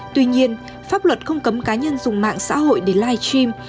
tuy nhiên pháp luật không cấm cá nhân dùng mạng xã hội để live stream